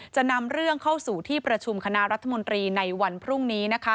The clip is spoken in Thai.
จะนำเรื่องเข้าสู่ที่ประชุมคณะรัฐมนตรีในวันพรุ่งนี้